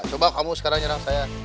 coba kamu sekarang nyerang saya